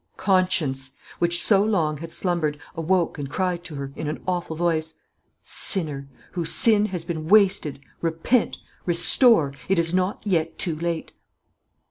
CONSCIENCE, which so long had slumbered, awoke and cried to her, in an awful voice, "Sinner, whose sin has been wasted, repent! restore! It is not yet too late."